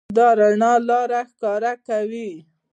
دا رڼا لاره ښکاره کوي.